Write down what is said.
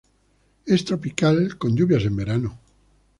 Es tropical, con lluvias en verano.